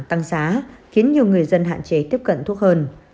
tăng giá khiến nhiều người dân hạn chế tiếp cận thuốc hơn